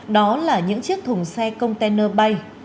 đó là những chiếc thùng xe container bay